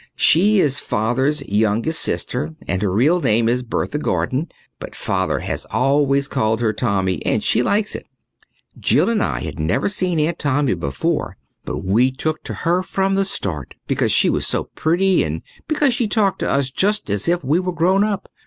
She is Father's youngest sister and her real name is Bertha Gordon, but Father has always called her Tommy and she likes it. Jill and I had never seen Aunt Tommy before, but we took to her from the start because she was so pretty and because she talked to us just as if we were grown up.